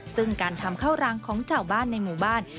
ซึ่งการทำข้าวรางของชาวบ้านในหมู่บ้าน